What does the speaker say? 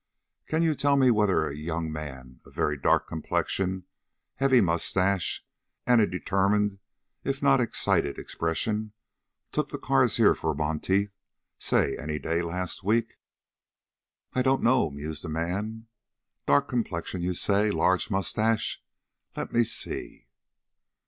"Can you tell me whether a young man of very dark complexion, heavy mustache, and a determined, if not excited, expression, took the cars here for Monteith, say, any day last week?" "I don't know," mused the man. "Dark complexion, you say, large mustache; let me see."